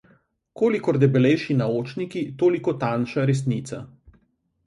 Kolikor debelejši naočniki, toliko tanjša resnica.